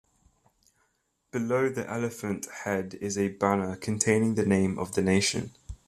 Below the elephant head is a banner containing the name of the nation.